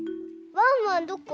ワンワンどこ？